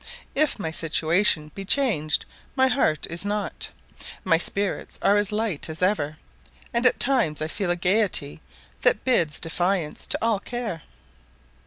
If my situation be changed, my heart is not. My spirits are as light as ever, and at times I feel a gaiety that bids defiance to all care.